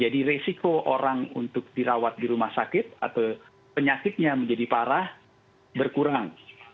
jadi resiko orang untuk dirawat di rumah sakit atau penyakitnya menjadi parah berkurang